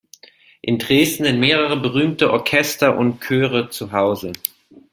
In Dresden sind mehrere berühmte Orchester und Chöre zu Hause.